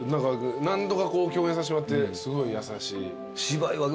何度か共演させてもらってすごい優しい。